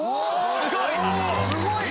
すごい！